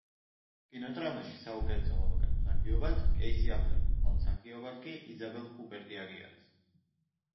კინოდრამაში საუკეთესო მამაკაც მსახიობად კეისი აფლეკი, ქალ მსახიობად კი იზაბელ ჰუპერტი აღიარეს.